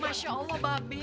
masya allah babi